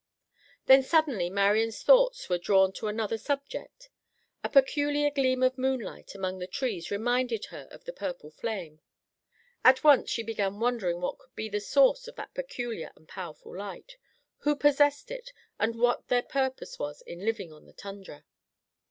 Then, suddenly, Marian's thoughts were drawn to another subject. A peculiar gleam of moonlight among the trees reminded her of the purple flame. At once she began wondering what could be the source of that peculiar and powerful light; who possessed it, and what their purpose was in living on the tundra.